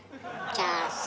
じゃあさ。